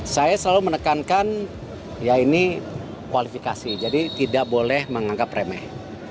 saya selalu menekankan ya ini kualifikasi jadi tidak boleh menganggap remeh